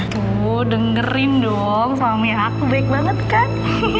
wuh dengerin dong suami aku baik banget kan